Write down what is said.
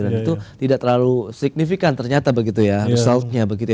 dan itu tidak terlalu signifikan ternyata begitu ya resultnya begitu ya